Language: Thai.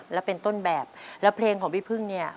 แล้วเป็นต้นแบบแล้วเพลงของพี่พึ่งเนี่ย